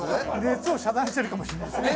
熱を遮断してるかもしれないですね。